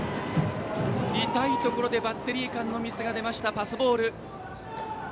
痛いところでバッテリー間のミスが出ました、パスボール。